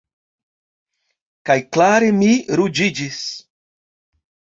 Kaj klare mi ruĝiĝis.